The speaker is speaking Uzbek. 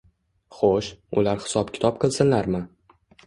Xo'sh, ular hisob -kitob qilsinlarmi?